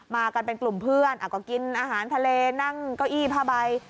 มากันเป็นกลุ่มเพื่อนก็กินอาหารทะเลนั่งเก้าอี้ผ้าใบ